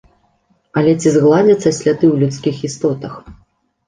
Але ці згладзяцца сляды ў людскіх істотах?